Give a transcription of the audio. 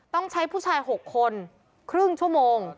ต้องใช้ผู้ชาย๖คนครึ่งชั่วโมง